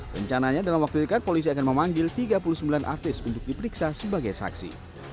rencananya dalam waktu dekat polisi akan memanggil tiga puluh sembilan artis untuk diperiksa sebagai saksi